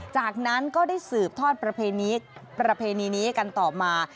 จากนั้นก็ได้สืบทอดประเพณีนี้กันต่อมา